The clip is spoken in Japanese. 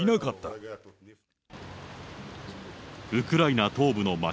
ウクライナ東部の街